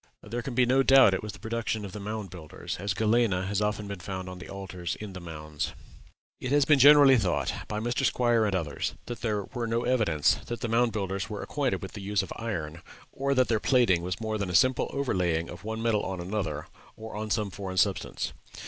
There can be no doubt it was the production of the Mound Builders, as galena has often been found on the altars in the mounds. It has been generally thought, by Mr. Squier and others, that there were no evidences that the Mound Builders were acquainted with the use of iron, or that their plating was more than a simple overlaying of one metal on another, or on some foreign substance.